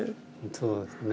そうですね。